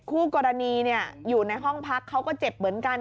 คู่กรณีอยู่ในห้องพักเขาก็เจ็บเหมือนกัน